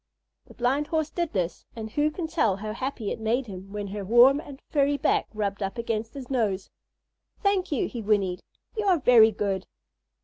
The Blind Horse did this, and who can tell how happy it made him when her warm and furry back rubbed up against his nose? "Thank you," he whinnied; "you are very good."